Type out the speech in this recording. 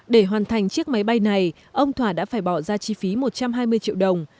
để hoàn thành chiếc máy bay này ông thỏa đã phải bỏ ra chi phí một trăm hai mươi triệu đồng